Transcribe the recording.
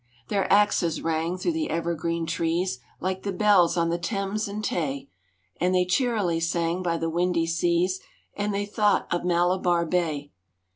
Their axes rang through the evergreen trees Like the bells on the Thames and Tay; And they cheerily sang by the windy seas, And they thought of Malabarre Bay.